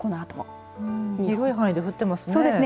広い範囲で降ってますね。